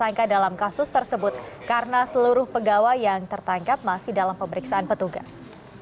tersangka dalam kasus tersebut karena seluruh pegawai yang tertangkap masih dalam pemeriksaan petugas